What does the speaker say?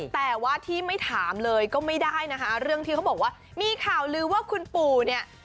แต่ว่าที่ไม่ถามเลยก็ไม่ได้นะคะเรื่องที่เขาบอกว่ามีข่าวลือว่าคุณปู่เนี่ย